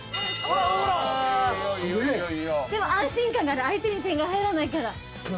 でも安心感がある相手に点が入らないから。